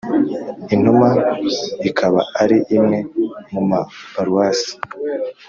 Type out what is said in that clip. intumwa ikaba ari imwe mu ma paruwasi